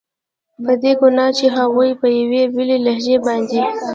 په دې ګناه چې هغوی په یوې بېلې لهجې باندې.